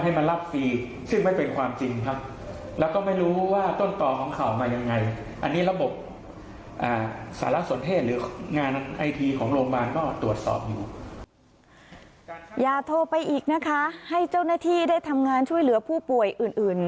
ให้เจ้าหน้าที่ได้ทำงานช่วยเหลือผู้ป่วยอื่น